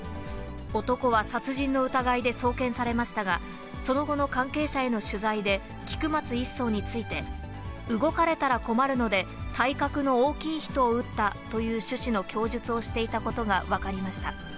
男は殺人の疑いで送検されましたが、その後の関係者への取材で、菊松１曹について、動かれたら困るので、体格の大きい人を撃ったという趣旨の供述をしていたことが分かりました。